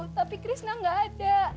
tapi krisna gak ada